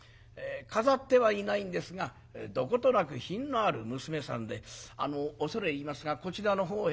飾ってはいないんですがどことなく品のある娘さんで「あの恐れ入りますがこちらのほうへ」。